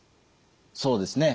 そうですね。